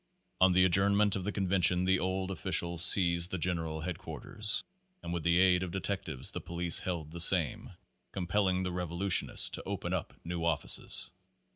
On the ad journment of the convention the old officials seized the general headquarters, and with the aid of detectives and police held the same, compelling the revolutionists to open up new offices.